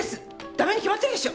ダメに決まってるでしょ。